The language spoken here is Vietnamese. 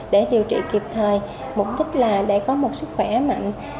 để điều trị kịp thời mục đích là để có một sức khỏe mạnh